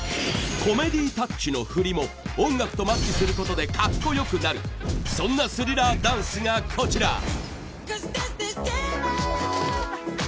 コメディタッチの振りも音楽とマッチする事で格好良くなるそんなスリラーダンスがこちら。